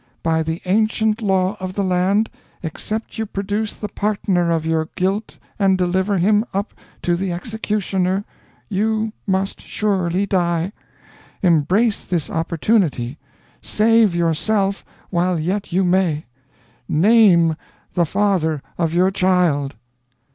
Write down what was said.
By the ancient law of the land, except you produce the partner of your guilt and deliver him up to the executioner you must surely die. Embrace this opportunity save yourself while yet you may. Name the father of your child!"